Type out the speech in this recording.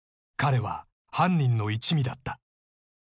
［彼は犯人の一味だった］